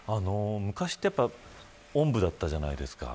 昔はおんぶだったじゃないですか。